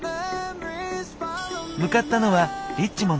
向かったのはリッチモンド。